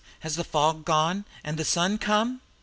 "Has the fog gone, and the sun come?"